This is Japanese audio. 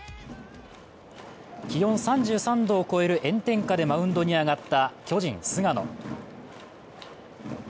気温３３度を超える炎天下でマウンドに上がった巨人・菅野。